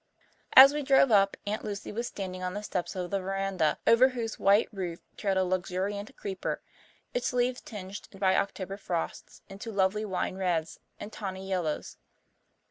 As we drove up Aunt Lucy was standing on the steps of the verandah, over whose white roof trailed a luxuriant creeper, its leaves tinged by October frosts into lovely wine reds and tawny yellows.